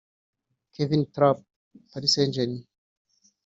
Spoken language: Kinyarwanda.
Kevin Trapp (Paris St-Germain)